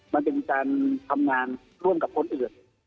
มันซึ่งตามร่วมกับคนอื่น